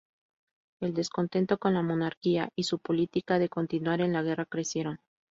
El descontento con la monarquía y su política de continuar en la Guerra crecieron.